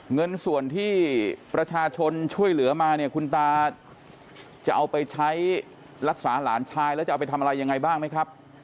เงินส่วนที่ประชาชนช่วยเหลือมาเนี่ยคุณตาจะเอาไปใช้รักษาหลานชายแล้วจะเอาไปทำอะไรยังไงบ้างไหมครับ